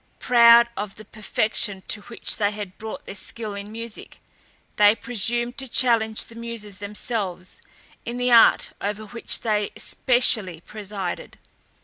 Proud of the perfection to which they had brought their skill in music, they presumed to challenge the Muses themselves in the art over which they specially presided.